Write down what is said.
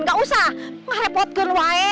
nggak usah nge repot keuare